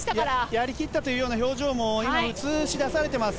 やり切ったという表情も映し出されています。